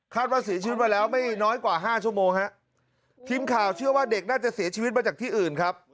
ว่าเสียชีวิตมาแล้วไม่น้อยกว่าห้าชั่วโมงฮะทีมข่าวเชื่อว่าเด็กน่าจะเสียชีวิตมาจากที่อื่นครับ